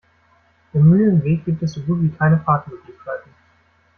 Im Mühlenweg gibt es so gut wie keine Parkmöglichkeiten.